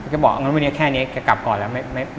ก็บอกงั้นวันนี้แค่นี้แกกลับก่อนแล้ว